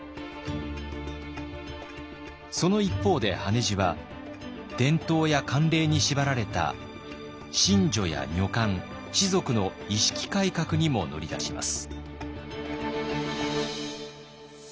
その一方で羽地は伝統や慣例に縛られた神女や女官士族の意識改革にも乗り出します。